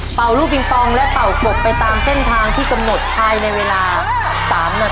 ลูกปิงปองและเป่ากกไปตามเส้นทางที่กำหนดภายในเวลา๓นาที